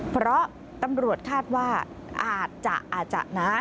เพราะตำรวจคาดว่าอาจจะอาจจะนะ